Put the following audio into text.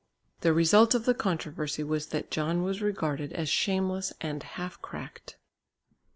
The result of the controversy was that John was regarded as shameless and half cracked.